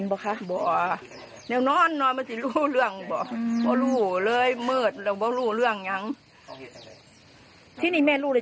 นางบ่หมอนี่แหลนไปหาหน้าเพื่อนหน้าเพื่อนจุก่ยางแหลนตามนางเพื่อนไปขึ้นเลยอะ